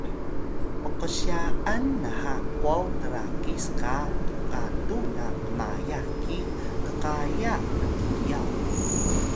pqsya’an naha qwaw trakis qa gatu na qmayah ki qqaya ptiyaw